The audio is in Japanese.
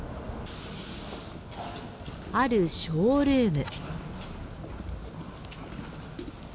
あるショールーム。